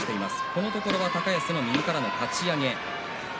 このところ高安の右からのかち上げ。